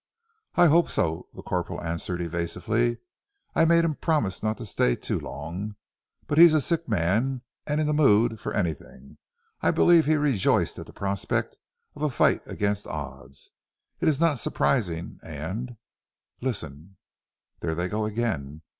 "I hope so," the corporal answered evasively. "I made him promise not to stay too long. But he is a sick man and in the mood for anything. I believed he rejoiced at the prospect of a fight against odds. It is not surprising and Listen! There they go again.